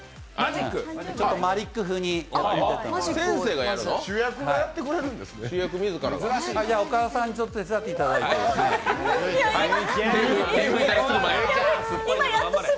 ちょっとマリック風にやってみたいと思います。